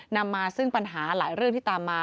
นำมาซึ่งปัญหาหลายเรื่องที่ตามมา